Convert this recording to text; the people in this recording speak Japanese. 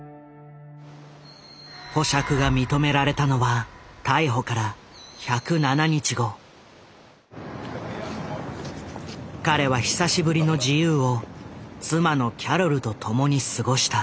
保釈が認められたのは彼は久しぶりの自由を妻のキャロルと共に過ごした。